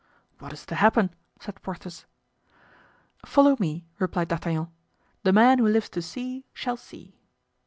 "What is to happen?" said Porthos. "Follow me," replied D'Artagnan. "The man who lives to see shall see."